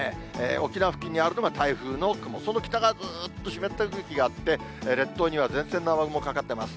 沖縄付近にあるのが台風の雲、その北側ずっと湿った空気があって、列島には前線の雨雲かかってます。